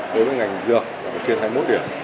đối với ngành dược là trên hai mươi một điểm